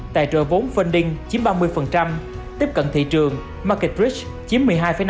tài trợ vốn funding chiếm ba mươi tiếp cận thị trường market bridge chiếm một mươi hai năm